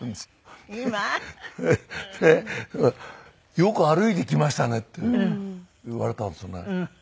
よく歩いてきましたねって言われたんですよね。